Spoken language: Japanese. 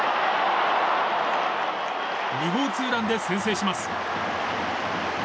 ２号ツーランで先制します。